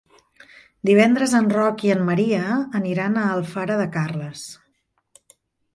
Divendres en Roc i en Maria aniran a Alfara de Carles.